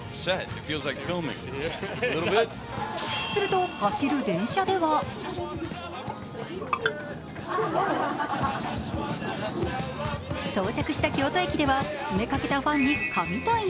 すると、走る電車では到着した京都駅では詰めかけたファンに神対応。